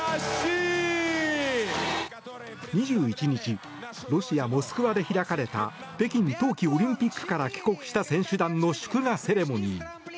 ２１日ロシア・モスクワで開かれた北京冬季オリンピックから帰国した選手団の祝賀セレモニー。